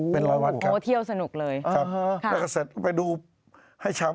เป็นรอยวัดครับ